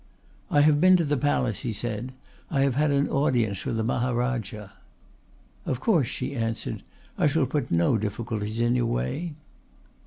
"I have been to the Palace," he said, "I have had an audience with the Maharajah." "Of course," she answered. "I shall put no difficulties in your way."